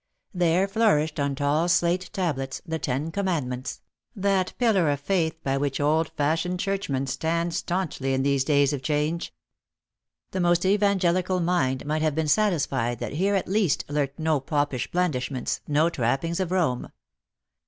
There flourished, on tall slate tablets, the Ten Commandments ; that pillar of faith by which old fashioned churchmen stand stanchly in these days of change. The most evangelical mind might have been satisfied that here at least lurked no popish blandishments, no trappings of Rome.